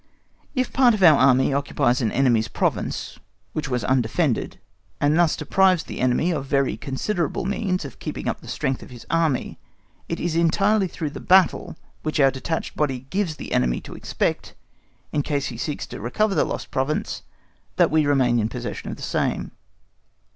If a part of our Army occupies an enemy's province which was undefended, and thus deprives the enemy of very considerable means of keeping up the strength of his Army, it is entirely through the battle which our detached body gives the enemy to expect, in case he seeks to recover the lost province, that we remain in possession of the same.